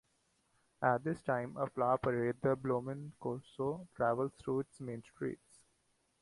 At this time a flower parade, the "Bloemencorso", travels through its main streets.